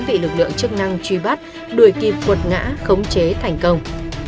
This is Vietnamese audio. bị lực lượng chức năng truy bắt đuổi kịp quật ngã khống chế thành công